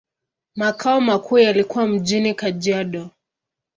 Makao makuu yalikuwa mjini Kajiado.